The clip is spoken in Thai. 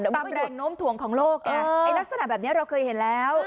ตามแรงโน้มถ่วงของโลกไงลักษณะแบบนี้เราเคยเห็นแล้ว